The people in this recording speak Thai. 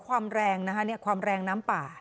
ความแรงนะฮะเนี่ยความแรงน้ำป่า